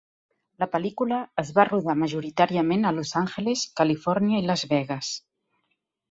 La pel·lícula es va rodar majoritàriament a Los Angeles, Califòrnia i Las Vegas.